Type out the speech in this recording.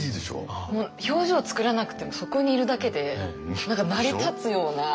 もう表情作らなくてもそこにいるだけで何か成り立つような。